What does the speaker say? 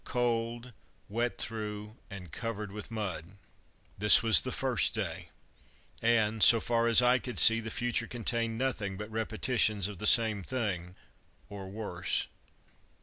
Cold, wet through and covered with mud. This was the first day; and, so far as I could see, the future contained nothing but repetitions of the same thing, or worse.